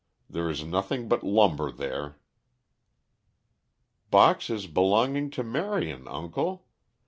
There is nothing but lumber there." "Boxes belonging to Marion, uncle.